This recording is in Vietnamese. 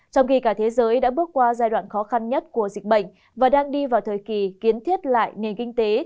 trong khi cả thế giới đã bước qua giai đoạn khó khăn nhất của dịch bệnh và đang đi vào thời kỳ kiến thiết lại nền kinh tế